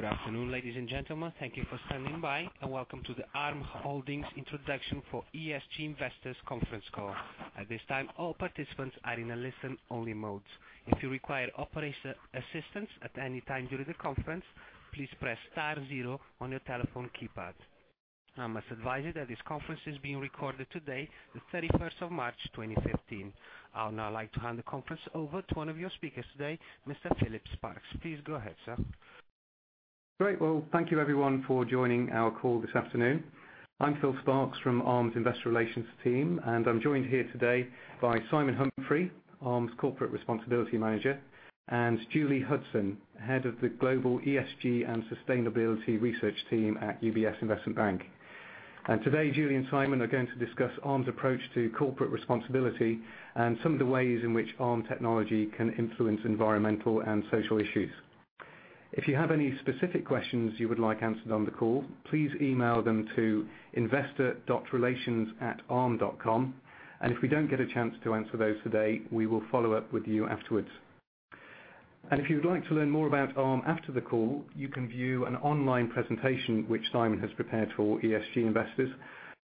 Good afternoon, ladies and gentlemen. Thank you for standing by, and welcome to the Arm Holdings Introduction for ESG Investors Conference Call. At this time, all participants are in a listen-only mode. If you require operator assistance at any time during the conference, please press star zero on your telephone keypad. I must advise you that this conference is being recorded today, the 31st of March, 2015. I would now like to hand the conference over to one of your speakers today, Mr. Philip Sparks. Please go ahead, sir. Great. Well, thank you everyone for joining our call this afternoon. I'm Phil Sparks from Arm's investor relations team. I'm joined here today by Simon Humphrey, Arm's Corporate Responsibility Manager, and Julie Hudson, head of the global ESG and sustainability research team at UBS Investment Bank. Today, Julie and Simon are going to discuss Arm's approach to corporate responsibility and some of the ways in which Arm technology can influence environmental and social issues. If you have any specific questions you would like answered on the call, please email them to investor.relations@arm.com. If we don't get a chance to answer those today, we will follow up with you afterwards. If you'd like to learn more about Arm after the call, you can view an online presentation, which Simon has prepared for ESG investors,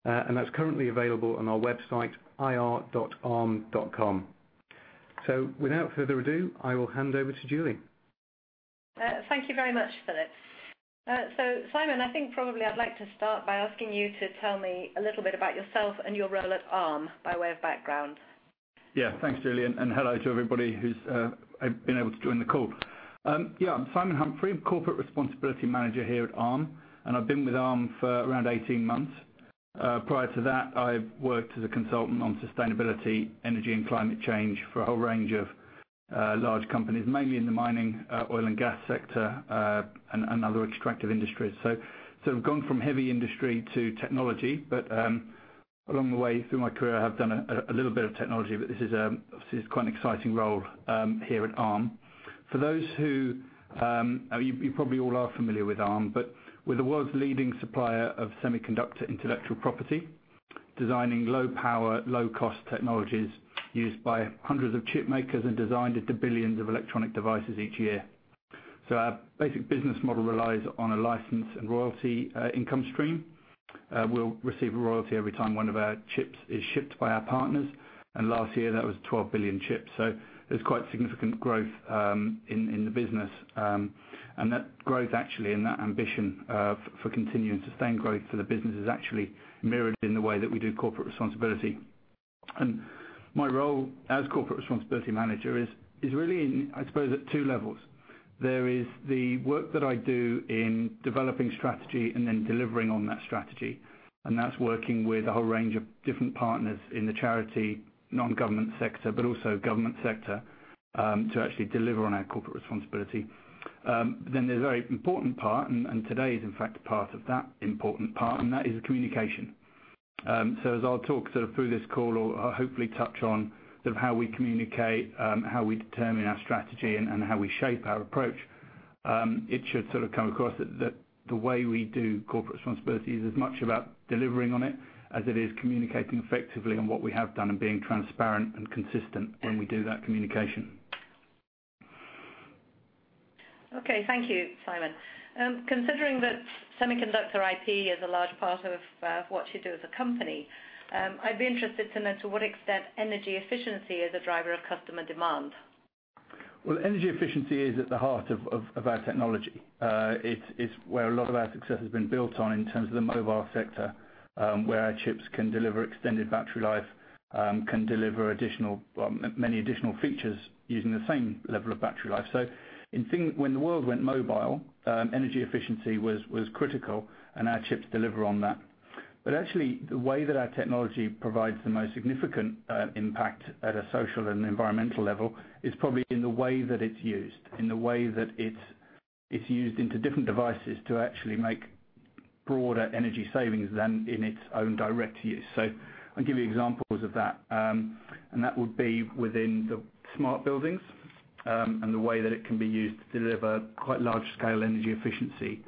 and that's currently available on our website, ir.arm.com. Without further ado, I will hand over to Julie. Thank you very much, Philip. Simon, I think probably I'd like to start by asking you to tell me a little bit about yourself and your role at Arm by way of background. Thanks, Julie, and hello to everybody who's been able to join the call. I'm Simon Humphrey, corporate responsibility manager here at Arm, and I've been with Arm for around 18 months. Prior to that, I worked as a consultant on sustainability, energy, and climate change for a whole range of large companies, mainly in the mining, oil and gas sector, and other extractive industries. I've gone from heavy industry to technology. Along the way through my career, I have done a little bit of technology, but this is obviously quite an exciting role here at Arm. You probably all are familiar with Arm, but we're the world's leading supplier of semiconductor intellectual property, designing low-power, low-cost technologies used by hundreds of chip makers and designed into billions of electronic devices each year. Our basic business model relies on a license and royalty income stream. We'll receive a royalty every time one of our chips is shipped by our partners, and last year that was 12 billion chips. There's quite significant growth in the business. That growth actually and that ambition for continued sustained growth for the business is actually mirrored in the way that we do corporate responsibility. My role as corporate responsibility manager is really in, I suppose at 2 levels. There is the work that I do in developing strategy and then delivering on that strategy. That's working with a whole range of different partners in the charity non-government sector, but also government sector, to actually deliver on our corporate responsibility. There's a very important part, and today is in fact part of that important part, and that is communication. As I'll talk sort of through this call, I'll hopefully touch on sort of how we communicate, how we determine our strategy, and how we shape our approach. It should sort of come across that the way we do corporate responsibility is as much about delivering on it as it is communicating effectively on what we have done and being transparent and consistent when we do that communication. Thank you, Simon. Considering that semiconductor IP is a large part of what you do as a company, I'd be interested to know to what extent energy efficiency is a driver of customer demand. energy efficiency is at the heart of our technology. It's where a lot of our success has been built on in terms of the mobile sector, where our chips can deliver extended battery life, can deliver many additional features using the same level of battery life. When the world went mobile, energy efficiency was critical and our chips deliver on that. Actually, the way that our technology provides the most significant impact at a social and environmental level is probably in the way that it's used, in the way that it's used into different devices to actually make broader energy savings than in its own direct use. I'll give you examples of that, and that would be within the smart buildings, and the way that it can be used to deliver quite large scale energy efficiency,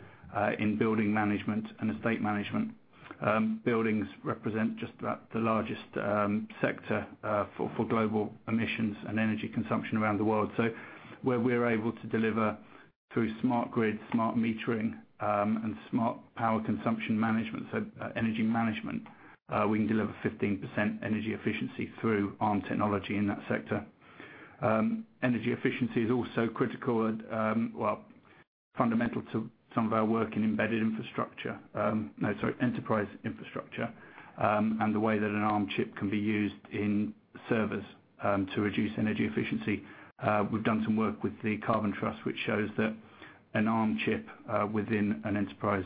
in building management and estate management. Buildings represent just about the largest sector for global emissions and energy consumption around the world. Where we're able to deliver through smart grid, smart metering, and smart power consumption management, so energy management, we can deliver 15% energy efficiency through Arm technology in that sector. Energy efficiency is also critical and, well, fundamental to some of our work in enterprise infrastructure, and the way that an Arm chip can be used in servers to reduce energy efficiency. We've done some work with the Carbon Trust, which shows that an Arm chip within an enterprise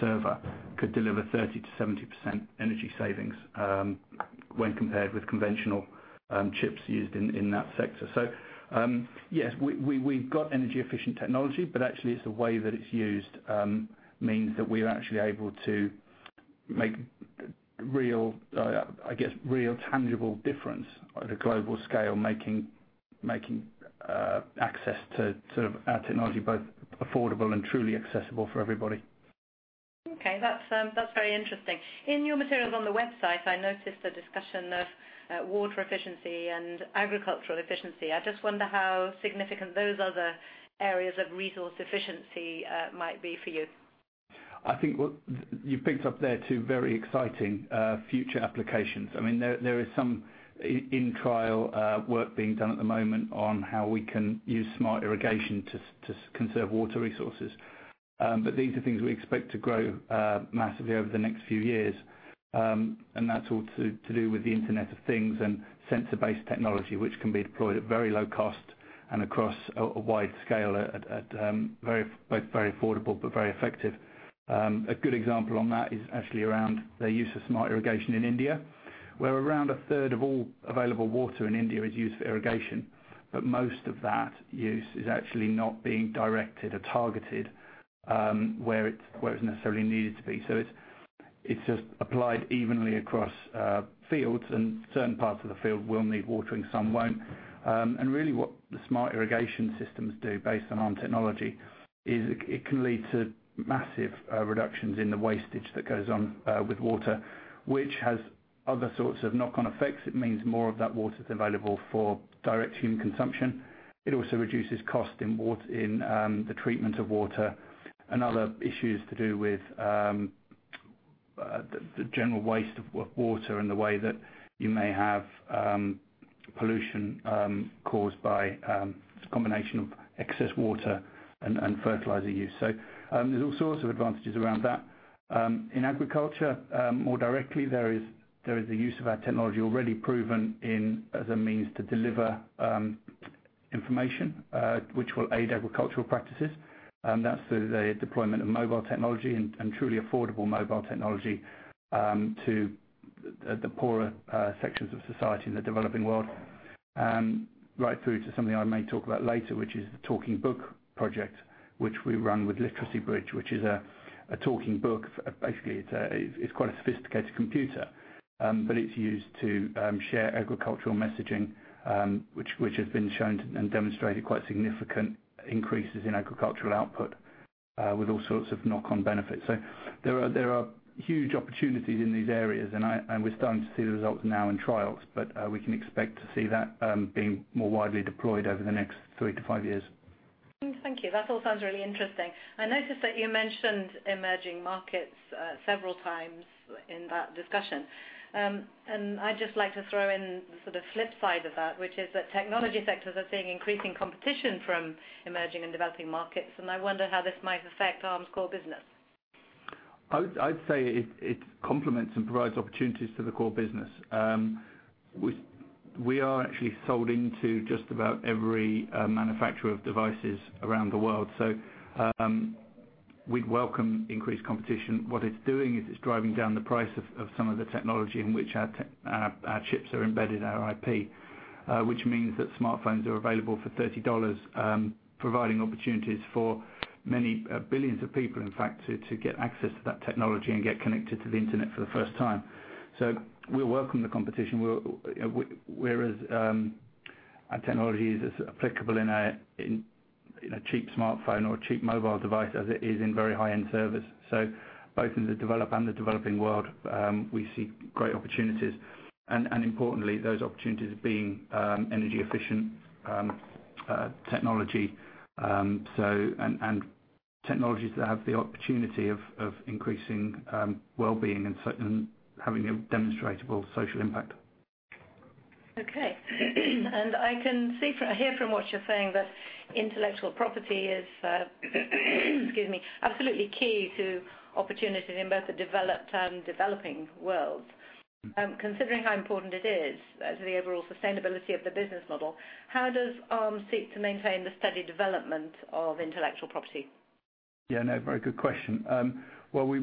server could deliver 30%-70% energy savings when compared with conventional chips used in that sector. Yes, we've got energy efficient technology, actually it's the way that it's used means that we are actually able to make real tangible difference at a global scale, making access to sort of our technology both affordable and truly accessible for everybody. Okay. That's very interesting. In your materials on the website, I noticed a discussion of water efficiency and agricultural efficiency. I just wonder how significant those other areas of resource efficiency might be for you. I think what you picked up there two very exciting future applications. There is some in trial work being done at the moment on how we can use smart irrigation to conserve water resources. These are things we expect to grow massively over the next few years. That's all to do with the Internet of Things and sensor-based technology, which can be deployed at very low cost and across a wide scale at both very affordable but very effective. A good example on that is actually around the use of smart irrigation in India, where around a third of all available water in India is used for irrigation. Most of that use is actually not being directed or targeted, where it's necessarily needed to be. It's just applied evenly across fields, and certain parts of the field will need watering, some won't. Really what the smart irrigation systems do based on Arm technology is it can lead to massive reductions in the wastage that goes on with water, which has other sorts of knock-on effects. It means more of that water's available for direct human consumption. It also reduces cost in the treatment of water and other issues to do with the general waste of water and the way that you may have pollution caused by combination of excess water and fertilizer use. There's all sorts of advantages around that. In agriculture, more directly, there is the use of our technology already proven in as a means to deliver information, which will aid agricultural practices. That's through the deployment of mobile technology and truly affordable mobile technology, to the poorer sections of society in the developing world. Right through to something I may talk about later, which is the Talking Book project, which we run with Literacy Bridge, which is a Talking Book. Basically, it's quite a sophisticated computer. It's used to share agricultural messaging, which has been shown and demonstrated quite significant increases in agricultural output, with all sorts of knock-on benefits. There are huge opportunities in these areas, and we're starting to see the results now in trials, but we can expect to see that being more widely deployed over the next three to five years. Thank you. That all sounds really interesting. I noticed that you mentioned emerging markets several times in that discussion. I'd just like to throw in sort of flip side of that, which is that technology sectors are seeing increasing competition from emerging and developing markets, and I wonder how this might affect Arm's core business. I would say it complements and provides opportunities to the core business. We are actually sold into just about every manufacturer of devices around the world, so we'd welcome increased competition. What it's doing is it's driving down the price of some of the technology in which our chips are embedded, our IP. Which means that smartphones are available for $30, providing opportunities for many billions of people, in fact, to get access to that technology and get connected to the Internet for the first time. We welcome the competition whereas our technology is as applicable in a cheap smartphone or a cheap mobile device as it is in very high-end servers. Both in the developed and the developing world, we see great opportunities, and importantly, those opportunities being energy efficient technology. Technologies that have the opportunity of increasing well-being and having a demonstrable social impact. Okay. I can hear from what you're saying that intellectual property is, excuse me, absolutely key to opportunities in both the developed and developing worlds. Considering how important it is to the overall sustainability of the business model, how does Arm seek to maintain the steady development of intellectual property? Yeah. No, very good question. Well, we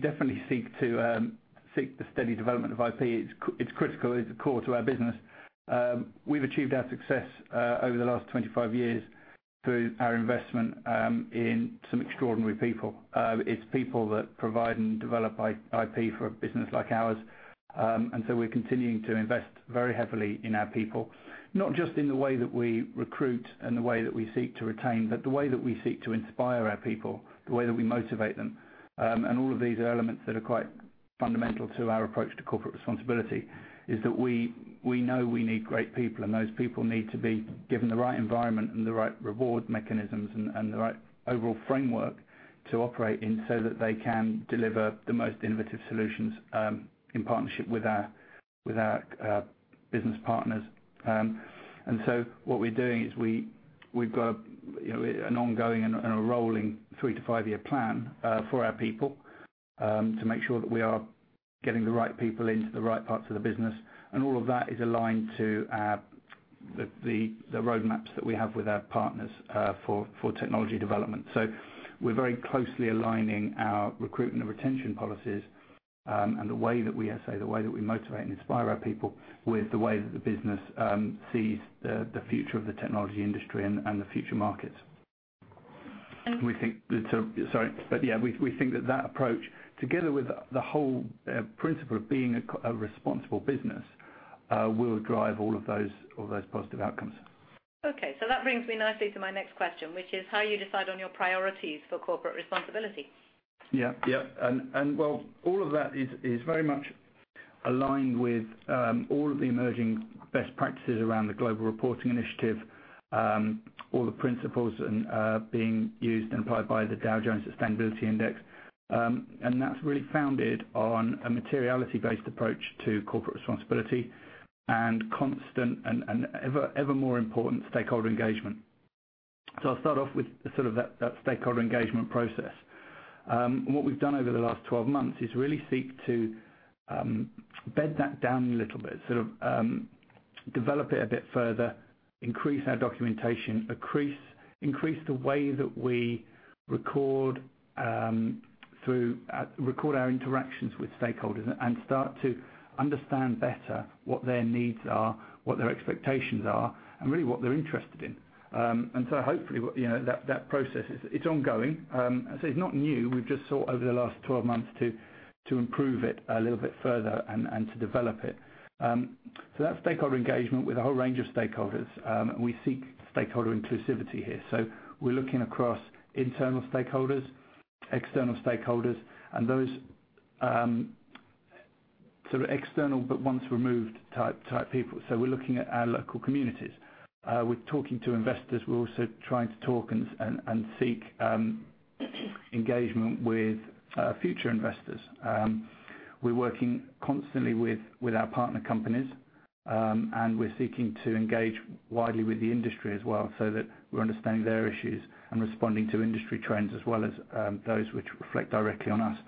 definitely seek the steady development of IP. It's critical, it's core to our business. We've achieved our success over the last 25 years through our investment in some extraordinary people. It's people that provide and develop IP for a business like ours. We're continuing to invest very heavily in our people, not just in the way that we recruit and the way that we seek to retain, but the way that we seek to inspire our people, the way that we motivate them. All of these are elements that are quite fundamental to our approach to corporate responsibility, is that we know we need great people, and those people need to be given the right environment and the right reward mechanisms and the right overall framework to operate in so that they can deliver the most innovative solutions, in partnership with our business partners. What we're doing is we've got an ongoing and a rolling three to five-year plan for our people, to make sure that we are getting the right people into the right parts of the business. All of that is aligned to the roadmaps that we have with our partners for technology development. We're very closely aligning our recruitment and retention policies, and the way that we motivate and inspire our people with the way that the business sees the future of the technology industry and the future markets. And- Yeah, we think that that approach, together with the whole principle of being a responsible business, will drive all of those positive outcomes. That brings me nicely to my next question, which is how you decide on your priorities for corporate responsibility? Yeah. All of that is very much aligned with all of the emerging best practices around the Global Reporting Initiative, all the principles being used and applied by the Dow Jones Sustainability Index. That's really founded on a materiality-based approach to corporate responsibility and constant and ever more important stakeholder engagement. I'll start off with sort of that stakeholder engagement process. What we've done over the last 12 months is really seek to bed that down a little bit, sort of develop it a bit further, increase our documentation, increase the way that we record our interactions with stakeholders, and start to understand better what their needs are, what their expectations are, and really what they're interested in. Hopefully, that process, it's ongoing. It's not new. We've just sought over the last 12 months to improve it a little bit further and to develop it. That's stakeholder engagement with a whole range of stakeholders. We seek stakeholder inclusivity here. We're looking across internal stakeholders, external stakeholders, and those sort of external, but once removed type people. We're looking at our local communities. We're talking to investors. We're also trying to talk and seek engagement with future investors. We're working constantly with our partner companies. We're seeking to engage widely with the industry as well, that we're understanding their issues and responding to industry trends, as well as those which reflect directly on us.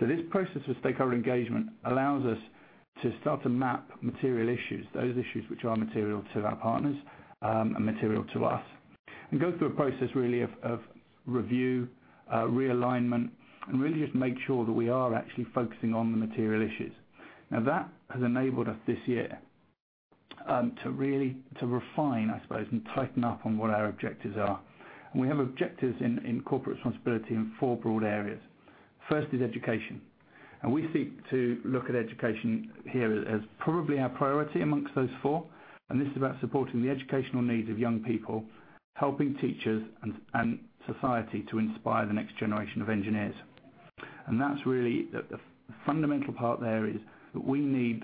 This process of stakeholder engagement allows us to start to map material issues, those issues which are material to our partners, and material to us. Go through a process really of review, realignment, and really just make sure that we are actually focusing on the material issues. That has enabled us this year to really refine, I suppose, and tighten up on what our objectives are. We have objectives in corporate responsibility in four broad areas. First is education. We seek to look at education here as probably our priority amongst those four, and this is about supporting the educational needs of young people, helping teachers and society to inspire the next generation of engineers. That's really the fundamental part there is that we need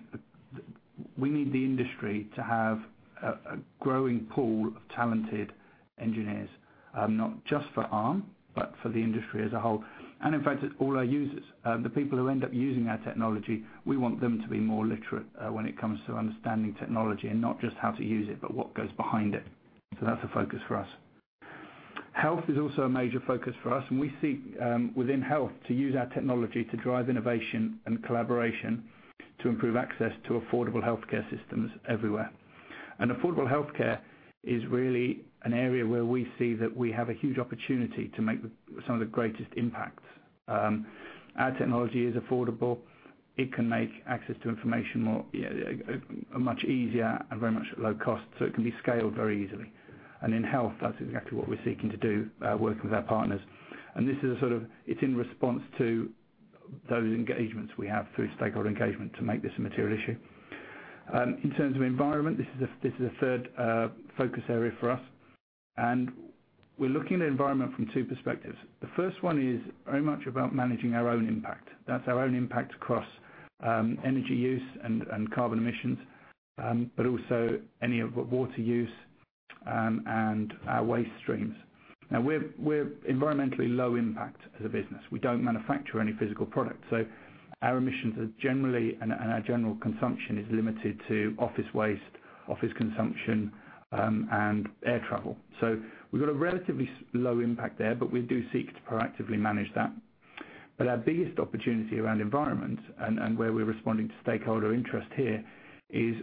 the industry to have a growing pool of talented engineers. Not just for Arm, but for the industry as a whole. In fact, all our users, the people who end up using our technology, we want them to be more literate when it comes to understanding technology and not just how to use it, but what goes behind it. That's a focus for us. Health is also a major focus for us. We seek, within health, to use our technology to drive innovation and collaboration to improve access to affordable healthcare systems everywhere. Affordable healthcare is really an area where we see that we have a huge opportunity to make some of the greatest impacts. Our technology is affordable. It can make access to information much easier and very much low cost, it can be scaled very easily. In health, that's exactly what we're seeking to do, working with our partners. It's in response to those engagements we have through stakeholder engagement to make this a material issue. In terms of environment, this is a third focus area for us. We're looking at environment from two perspectives. The first one is very much about managing our own impact. That's our own impact across energy use and carbon emissions, but also any of water use and our waste streams. We're environmentally low impact as a business. We don't manufacture any physical product. Our emissions are generally, and our general consumption is limited to office waste, office consumption, and air travel. We've got a relatively low impact there, but we do seek to proactively manage that. Our biggest opportunity around environment and where we're responding to stakeholder interest here is,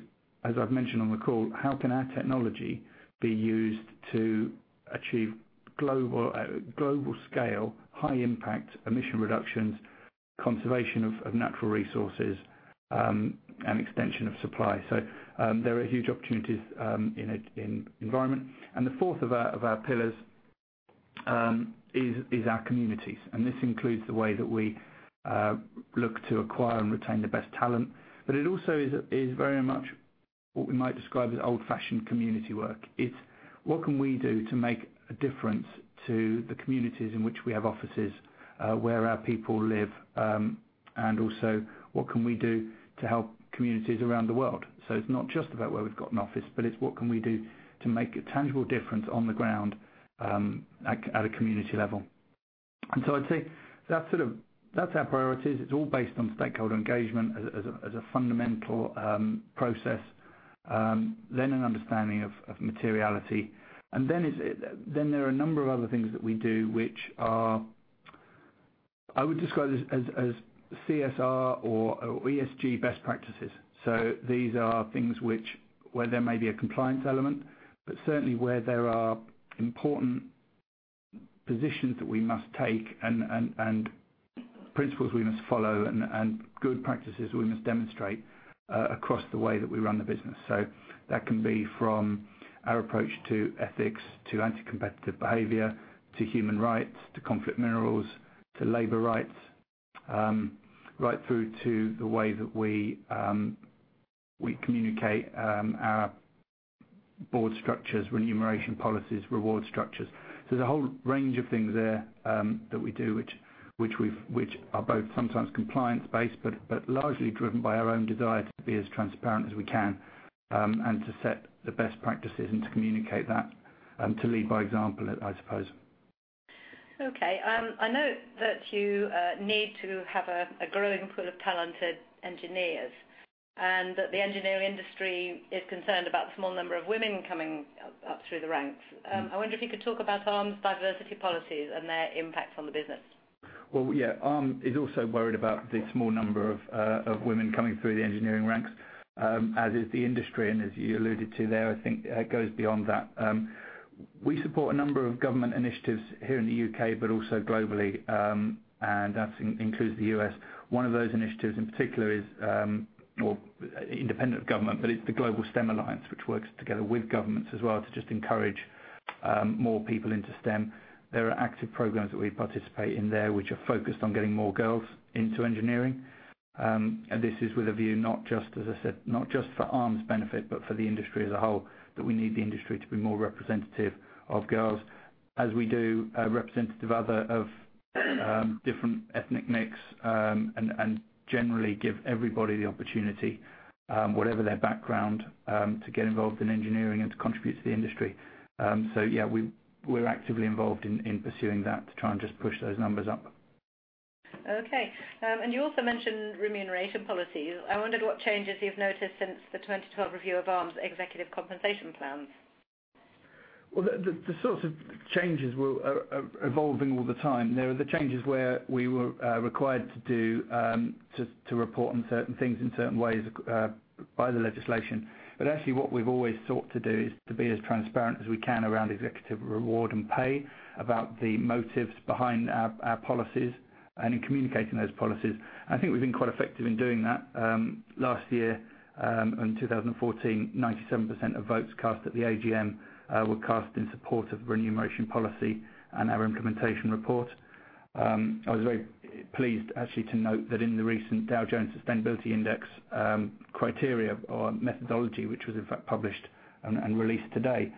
as I've mentioned on the call, how can our technology be used to achieve global scale, high impact emission reductions, conservation of natural resources, and extension of supply? There are huge opportunities in environment. The fourth of our pillars is our communities, and this includes the way that we look to acquire and retain the best talent. It also is very much what we might describe as old fashioned community work. It's what can we do to make a difference to the communities in which we have offices, where our people live? Also, what can we do to help communities around the world? It's not just about where we've got an office, but it's what can we do to make a tangible difference on the ground at a community level. I'd say that's our priorities. It's all based on stakeholder engagement as a fundamental process, an understanding of materiality. There are a number of other things that we do, which are, I would describe as CSR or ESG best practices. These are things where there may be a compliance element, but certainly where there are important positions that we must take and principles we must follow and good practices we must demonstrate across the way that we run the business. That can be from our approach to ethics, to anti-competitive behavior, to human rights, to conflict minerals, to labor rights right through to the way that we communicate our board structures, remuneration policies, reward structures. There's a whole range of things there that we do, which are both sometimes compliance-based, but largely driven by our own desire to be as transparent as we can, and to set the best practices, and to communicate that, and to lead by example, I suppose. Okay. I know that you need to have a growing pool of talented engineers, and that the engineering industry is concerned about the small number of women coming up through the ranks. I wonder if you could talk about Arm's diversity policies and their impact on the business. Well, yeah. Arm is also worried about the small number of women coming through the engineering ranks, as is the industry, and as you alluded to there, I think it goes beyond that. We support a number of government initiatives here in the U.K., but also globally, and that includes the U.S. One of those initiatives in particular is, well, independent of government, but it's the Global STEM Alliance, which works together with governments as well to just encourage more people into STEM. There are active programs that we participate in there, which are focused on getting more girls into engineering. This is with a view not just, as I said, for Arm's benefit, but for the industry as a whole, that we need the industry to be more representative of girls as we do representative of different ethnic mix, and generally give everybody the opportunity, whatever their background, to get involved in engineering and to contribute to the industry. Yeah, we're actively involved in pursuing that to try and just push those numbers up. Okay. You also mentioned remuneration policies. I wondered what changes you've noticed since the 2012 review of Arm's executive compensation plans. Well, the sorts of changes are evolving all the time. There are the changes where we were required to report on certain things in certain ways by the legislation. Actually what we've always sought to do is to be as transparent as we can around executive reward and pay, about the motives behind our policies and in communicating those policies. I think we've been quite effective in doing that. Last year, in 2014, 97% of votes cast at the AGM were cast in support of remuneration policy and our implementation report. I was very pleased, actually, to note that in the recent Dow Jones Sustainability Index criteria or methodology, which was in fact published and released today,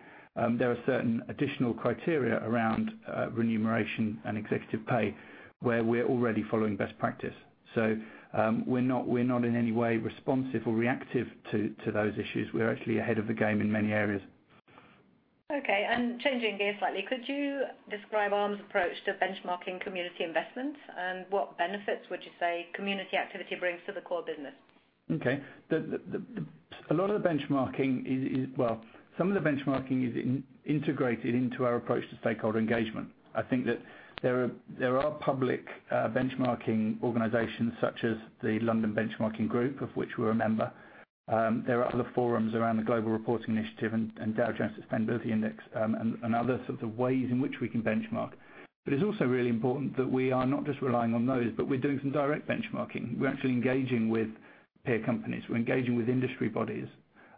there are certain additional criteria around remuneration and executive pay where we're already following best practice. We're not in any way responsive or reactive to those issues. We're actually ahead of the game in many areas. Okay, changing gears slightly, could you describe Arm's approach to benchmarking community investments and what benefits would you say community activity brings to the core business? Okay. Some of the benchmarking is integrated into our approach to stakeholder engagement. I think that there are public benchmarking organizations such as the London Benchmarking Group, of which we're a member. There are other forums around the Global Reporting Initiative and Dow Jones Sustainability Index, and other sort of ways in which we can benchmark. It's also really important that we are not just relying on those, but we're doing some direct benchmarking. We're actually engaging with peer companies. We're engaging with industry bodies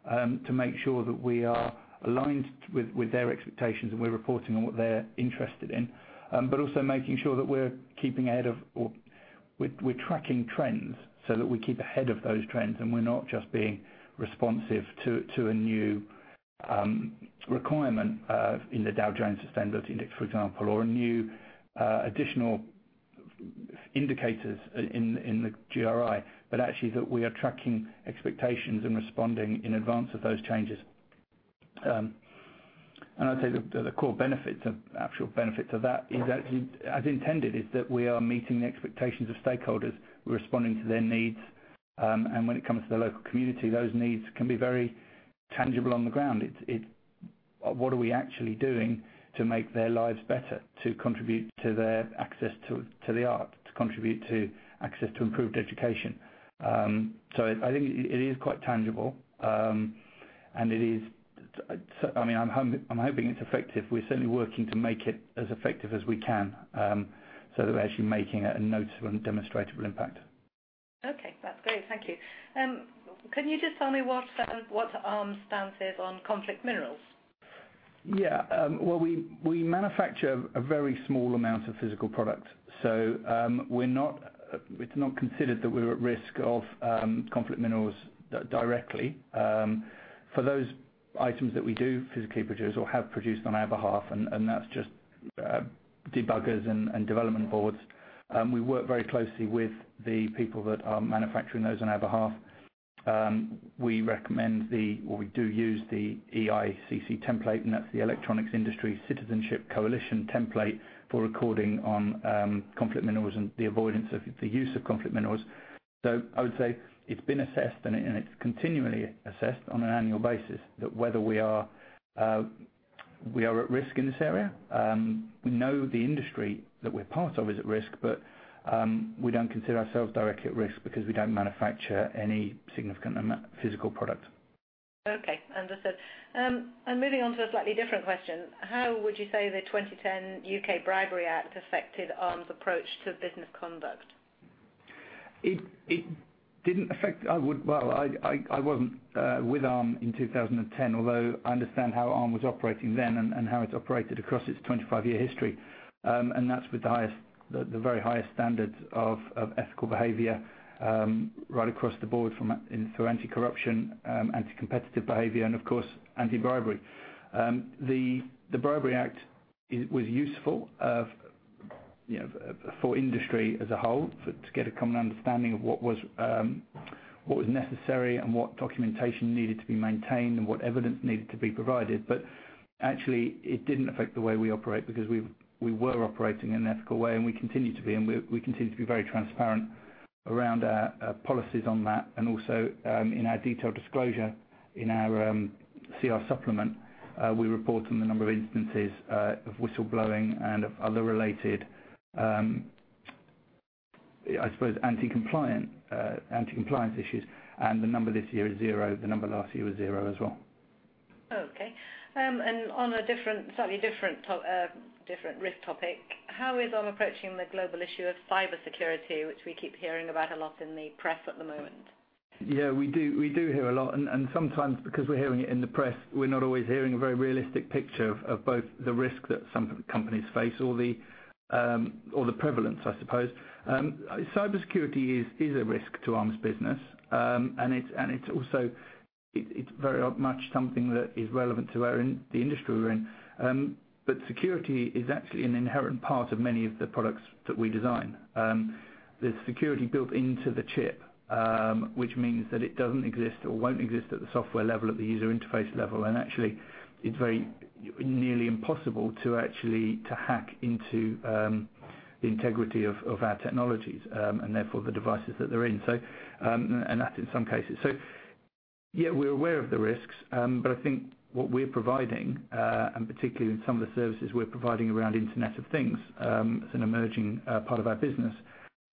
to make sure that we are aligned with their expectations and we're reporting on what they're interested in. Also making sure that we're tracking trends so that we keep ahead of those trends and we're not just being responsive to a new requirement in the Dow Jones Sustainability Index, for example, or new additional indicators in the GRI. Actually, that we are tracking expectations and responding in advance of those changes. I'd say the core benefit, actual benefit of that, as intended, is that we are meeting the expectations of stakeholders. We're responding to their needs. When it comes to the local community, those needs can be very tangible on the ground. What are we actually doing to make their lives better, to contribute to their access to the arts, to contribute to access to improved education? I think it is quite tangible. I'm hoping it's effective. We're certainly working to make it as effective as we can, so that we're actually making a noticeable and demonstrable impact. Okay. That's great. Thank you. Can you just tell me what Arm's stance is on conflict minerals? Yeah. Well, we manufacture a very small amount of physical product. It's not considered that we're at risk of conflict minerals directly. For those items that we do physically produce or have produced on our behalf, and that's just debuggers and development boards, we work very closely with the people that are manufacturing those on our behalf. We recommend the, or we do use the EICC template, and that's the Electronics Industry Citizenship Coalition template for recording on conflict minerals and the avoidance of the use of conflict minerals. I would say it's been assessed and it's continually assessed on an annual basis that whether we are at risk in this area. We know the industry that we're part of is at risk, but we don't consider ourselves directly at risk because we don't manufacture any significant amount of physical product. Okay. Understood. Moving on to a slightly different question. How would you say the UK Bribery Act 2010 affected Arm's approach to business conduct? I wasn't with Arm in 2010, although I understand how Arm was operating then and how it's operated across its 25-year history. That's with the very highest standards of ethical behavior right across the board through anti-corruption, anti-competitive behavior, and of course, anti-bribery. The Bribery Act was useful for industry as a whole to get a common understanding of what was necessary and what documentation needed to be maintained and what evidence needed to be provided. Actually, it didn't affect the way we operate because we were operating in an ethical way, and we continue to be. We continue to be very transparent around our policies on that, and also in our detailed disclosure. In our CR supplement, we report on the number of instances of whistleblowing and of other related, I suppose, anti-compliance issues. The number this year is zero. The number last year was zero as well. On a slightly different risk topic, how is Arm approaching the global issue of cybersecurity, which we keep hearing about a lot in the press at the moment? Yeah, we do hear a lot. Sometimes because we're hearing it in the press, we're not always hearing a very realistic picture of both the risk that some companies face or the prevalence, I suppose. Cybersecurity is a risk to Arm's business. It's also very much something that is relevant to the industry we're in. Security is actually an inherent part of many of the products that we design. There's security built into the chip, which means that it doesn't exist or won't exist at the software level, at the user interface level. Actually, it's very nearly impossible to actually hack into the integrity of our technologies, and therefore the devices that they're in, and that's in some cases. Yeah, we're aware of the risks. I think what we're providing, and particularly in some of the services we're providing around Internet of Things, as an emerging part of our business,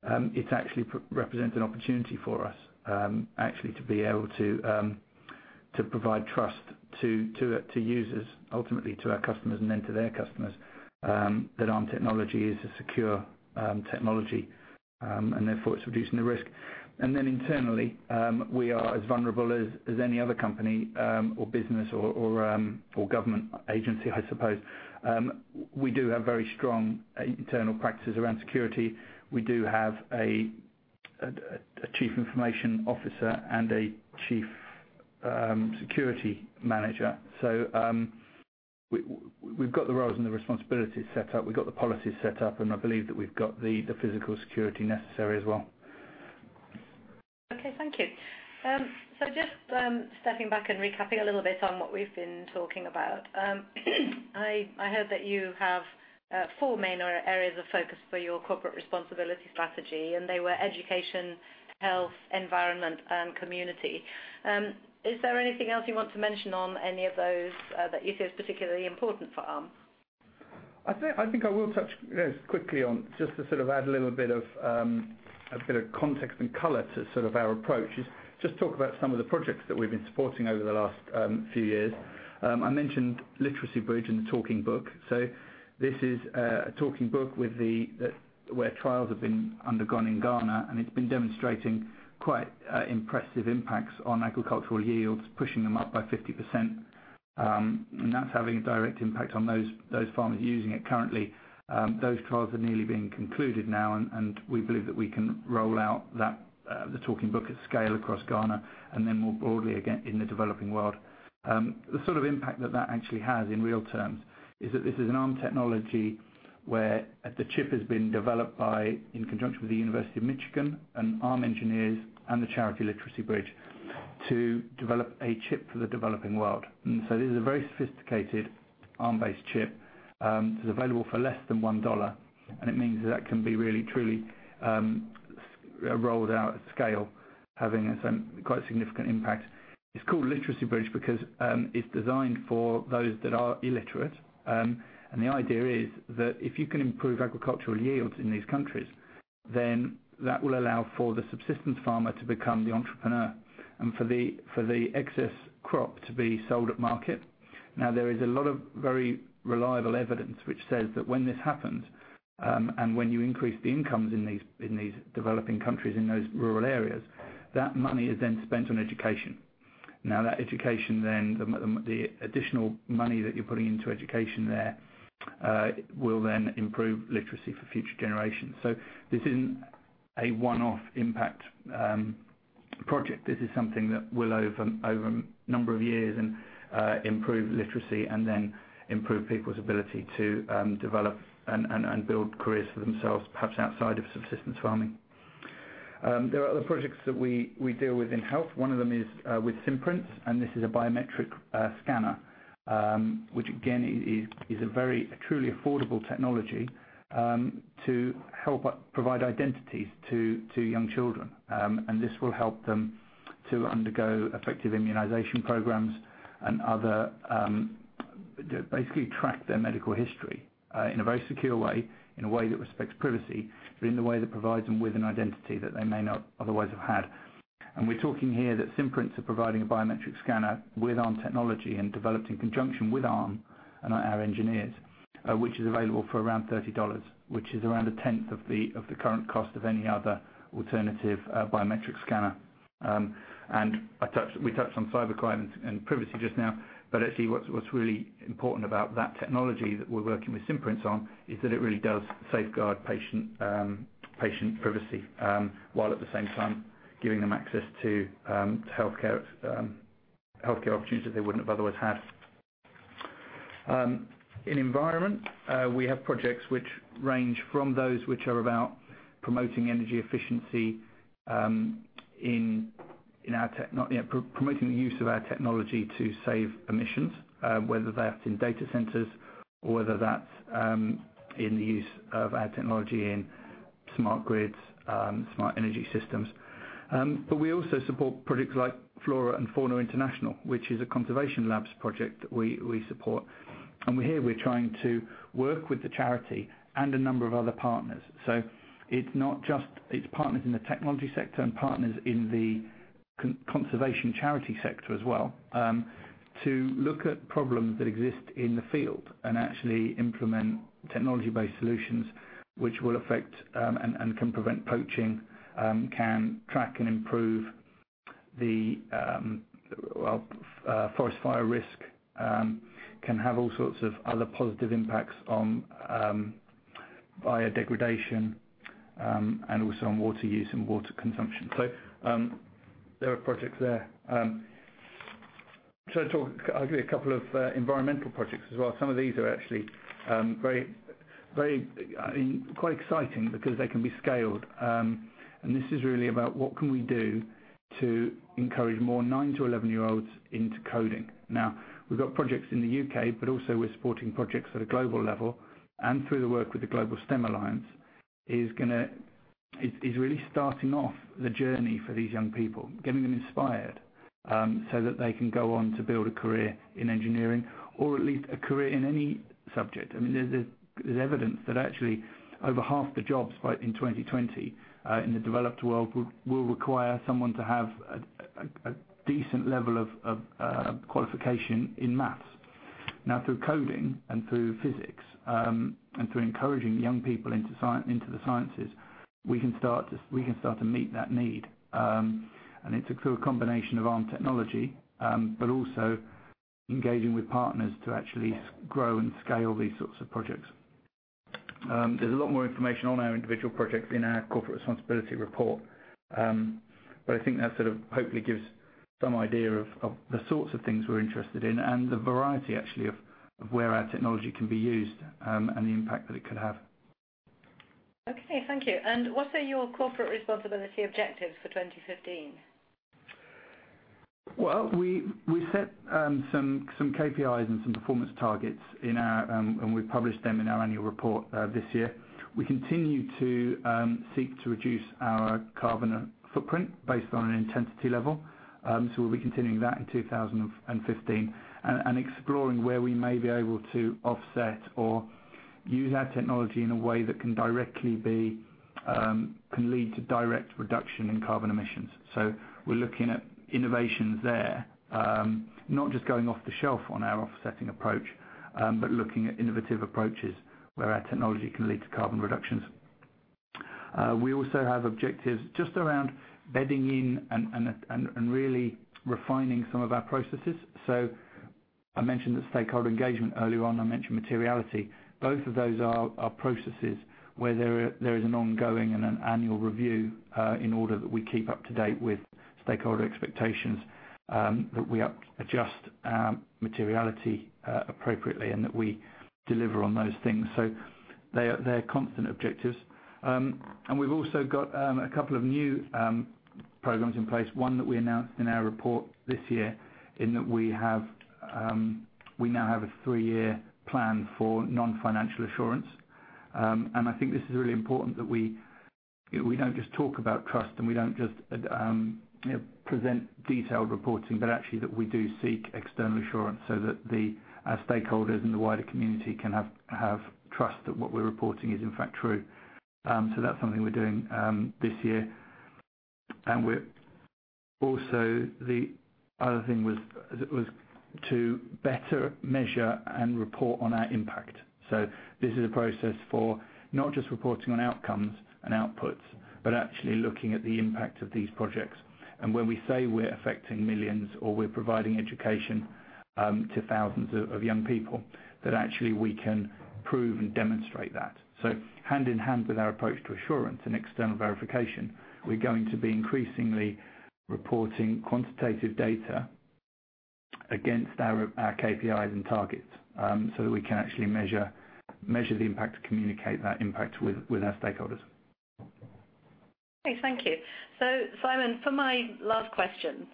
it actually represents an opportunity for us to be able to provide trust to users, ultimately to our customers and then to their customers, that Arm technology is a secure technology and therefore it's reducing the risk. Internally, we are as vulnerable as any other company or business or government agency, I suppose. We do have very strong internal practices around security. We do have a chief information officer and a chief security manager. We've got the roles and the responsibilities set up. We've got the policies set up, and I believe that we've got the physical security necessary as well. Okay, thank you. Just stepping back and recapping a little bit on what we've been talking about. I heard that you have four main areas of focus for your corporate responsibility strategy, and they were education, health, environment, and community. Is there anything else you want to mention on any of those that you feel is particularly important for Arm? I think I will touch, yes, quickly on, just to sort of add a little bit of context and color to our approach, is just talk about some of the projects that we've been supporting over the last few years. I mentioned Literacy Bridge and the Talking Book. This is a Talking Book where trials have been undergone in Ghana, and it's been demonstrating quite impressive impacts on agricultural yields, pushing them up by 50%. That's having a direct impact on those farmers using it currently. Those trials are nearly being concluded now, and we believe that we can roll out the Talking Book at scale across Ghana and then more broadly, again, in the developing world. The sort of impact that that actually has in real terms is that this is an Arm technology where the chip has been developed in conjunction with the University of Michigan and Arm engineers and the charity Literacy Bridge to develop a chip for the developing world. This is a very sophisticated Arm-based chip that's available for less than $1. It means that that can be really, truly rolled out at scale, having a quite significant impact. It's called Literacy Bridge because it's designed for those that are illiterate. The idea is that if you can improve agricultural yields in these countries, that will allow for the subsistence farmer to become the entrepreneur and for the excess crop to be sold at market. There is a lot of very reliable evidence which says that when this happens, and when you increase the incomes in these developing countries, in those rural areas, that money is then spent on education. That education then, the additional money that you're putting into education there, will then improve literacy for future generations. This isn't a one-off impact project. This is something that will, over a number of years, improve literacy and then improve people's ability to develop and build careers for themselves, perhaps outside of subsistence farming. There are other projects that we deal with in health. One of them is with Simprints, and this is a biometric scanner, which again, is a very truly affordable technology to help provide identities to young children. This will help them to undergo effective immunization programs and basically track their medical history in a very secure way, in a way that respects privacy, but in a way that provides them with an identity that they may not otherwise have had. We're talking here that Simprints are providing a biometric scanner with Arm technology and developed in conjunction with Arm and our engineers, which is available for around $30, which is around a 10th of the current cost of any other alternative biometric scanner. We touched on cybercrime and privacy just now, but actually what's really important about that technology that we're working with Simprints on is that it really does safeguard patient privacy, while at the same time giving them access to healthcare opportunities that they wouldn't have otherwise had. In environment, we have projects which range from those which are about promoting energy efficiency in our technology promoting the use of our technology to save emissions, whether that's in data centers or whether that's in the use of our technology in smart grids, smart energy systems. We also support projects like Fauna & Flora International, which is a conservation labs project that we support. Here, we're trying to work with the charity and a number of other partners. It's not just partners in the technology sector and partners in the conservation charity sector as well, to look at problems that exist in the field and actually implement technology-based solutions which will affect and can prevent poaching, can track and improve the forest fire risk, can have all sorts of other positive impacts on biodegradation, and also on water use and water consumption. There are projects there. I'll give you a couple of environmental projects as well. Some of these are actually quite exciting because they can be scaled. This is really about what can we do to encourage more 9 to 11 year olds into coding. We've got projects in the U.K., but also we're supporting projects at a global level. Through the work with the Global STEM Alliance, is really starting off the journey for these young people, getting them inspired, so that they can go on to build a career in engineering or at least a career in any subject. I mean, there's evidence that actually over half the jobs by in 2020, in the developed world, will require someone to have a decent level of qualification in math. Through coding and through physics, and through encouraging young people into the sciences, we can start to meet that need. It's through a combination of Arm technology, but also engaging with partners to actually grow and scale these sorts of projects. There's a lot more information on our individual projects in our corporate responsibility report. I think that sort of hopefully gives some idea of the sorts of things we're interested in and the variety actually of where our technology can be used, and the impact that it could have. Okay. Thank you. What are your corporate responsibility objectives for 2015? Well, we set some KPIs and some performance targets. We've published them in our annual report this year. We continue to seek to reduce our carbon footprint based on an intensity level. We'll be continuing that in 2015 and exploring where we may be able to offset or use our technology in a way that can lead to direct reduction in carbon emissions. We're looking at innovations there. Not just going off the shelf on our offsetting approach, but looking at innovative approaches where our technology can lead to carbon reductions. We also have objectives just around bedding in and really refining some of our processes. I mentioned the stakeholder engagement earlier on. I mentioned materiality. Both of those are processes where there is an ongoing and an annual review, in order that we keep up to date with stakeholder expectations, that we adjust materiality appropriately and that we deliver on those things. They're constant objectives. We've also got a couple of new programs in place, one that we announced in our report this year, in that we now have a three-year plan for non-financial assurance. I think this is really important that we don't just talk about trust and we don't just present detailed reporting, but actually that we do seek external assurance so that our stakeholders and the wider community can have trust that what we're reporting is in fact true. That's something we're doing this year. Also, the other thing was to better measure and report on our impact. This is a process for not just reporting on outcomes and outputs, but actually looking at the impact of these projects. When we say we're affecting millions or we're providing education to thousands of young people, that actually we can prove and demonstrate that. Hand in hand with our approach to assurance and external verification, we're going to be increasingly reporting quantitative data against our KPIs and targets, so that we can actually measure the impact, to communicate that impact with our stakeholders. Okay. Thank you. Simon, for my last question.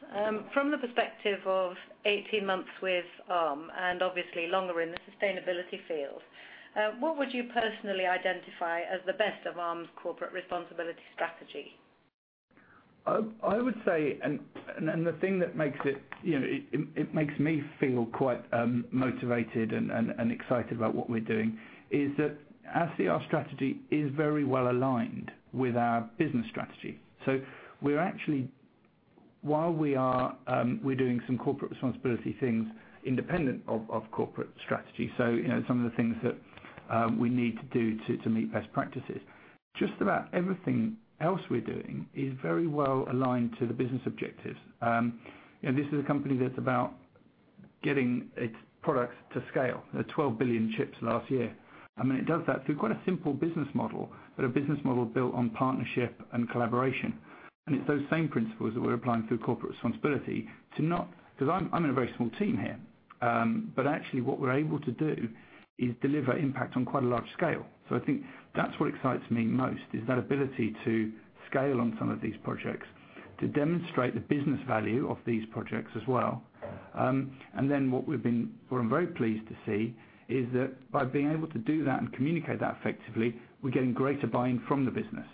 From the perspective of 18 months with Arm and obviously longer in the sustainability field, what would you personally identify as the best of Arm's corporate responsibility strategy? I would say, the thing that makes me feel quite motivated and excited about what we're doing is that our CR strategy is very well aligned with our business strategy. While we are doing some corporate responsibility things independent of corporate strategy. Some of the things that we need to do to meet best practices. Just about everything else we're doing is very well aligned to the business objectives. This is a company that's about getting its products to scale. 12 billion chips last year. It does that through quite a simple business model, but a business model built on partnership and collaboration. It's those same principles that we're applying through corporate responsibility to not Because I'm in a very small team here. Actually what we're able to do is deliver impact on quite a large scale. I think that's what excites me most, is that ability to scale on some of these projects, to demonstrate the business value of these projects as well. Then what I'm very pleased to see, is that by being able to do that and communicate that effectively, we're getting greater buy-in from the business.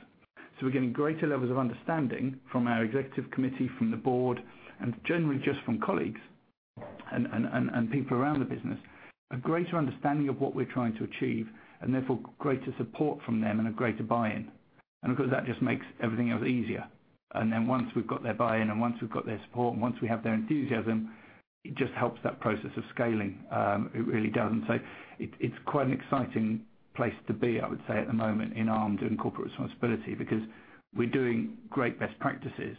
We're getting greater levels of understanding from our executive committee, from the board, and generally just from colleagues and people around the business, a greater understanding of what we're trying to achieve, and therefore greater support from them and a greater buy-in. Of course, that just makes everything else easier. Then once we've got their buy-in, and once we've got their support, and once we have their enthusiasm, it just helps that process of scaling. It really does. It's quite an exciting place to be, I would say, at the moment in Arm doing corporate responsibility, because we're doing great best practices,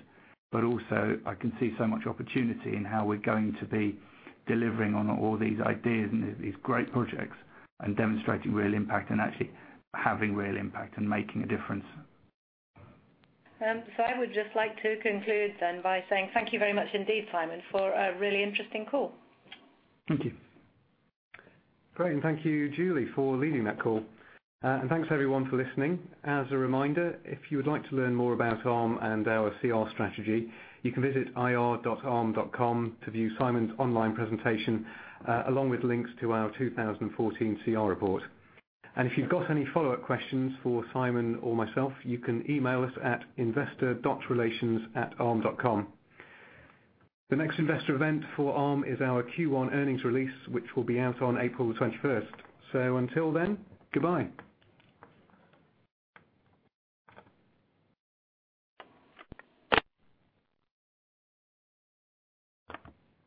but also I can see so much opportunity in how we're going to be delivering on all these ideas and these great projects, and demonstrating real impact and actually having real impact and making a difference. I would just like to conclude by saying thank you very much indeed, Simon, for a really interesting call. Thank you. Great. Thank you, Julie, for leading that call. Thanks everyone for listening. As a reminder, if you would like to learn more about Arm and our CR strategy, you can visit ir.arm.com to view Simon's online presentation, along with links to our 2014 CR report. If you've got any follow-up questions for Simon or myself, you can email us at investor.relations@arm.com. The next investor event for Arm is our Q1 earnings release, which will be out on April the 21st. Until then, goodbye.